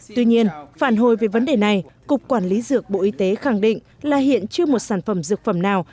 tuy nhiên phản hồi về vấn đề này cục quản lý dược bộ y tế khẳng định là hiện chưa một sản phẩm dược phẩm nào